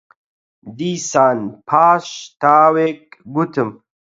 دیسان پاش تاوێک گوتم: